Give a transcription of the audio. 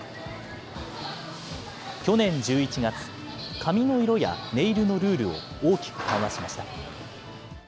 去年１１月、髪の色やネイルのルールを大きく緩和しました。